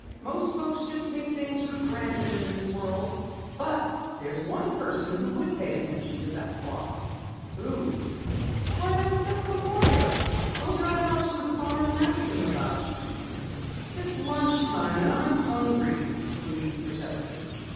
Most folks just take things for granted in this world. But there's one person who would pay attention to that clock!" "Who?" "Why, old Seth McGuire. We'll drive out to his farm and ask him about it." "It's lunch time and I'm hungry," Louise protested.